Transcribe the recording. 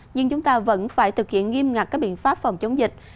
nhưng chúng ta vẫn phải thực hiện nghiêm ngặt các biện pháp phòng chống dịch